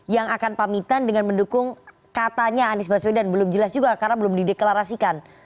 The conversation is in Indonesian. yang akan pamitan dengan mendukung katanya anies baswedan belum jelas juga karena belum dideklarasikan